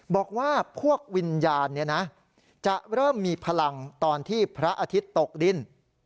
บอกว่าพวกวิญญาณจะเริ่มมีพลังตอนที่พระอาทิตย์ตกดิน